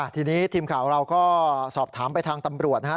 ทีนี้ทีมข่าวเราก็สอบถามไปทางตำรวจนะครับ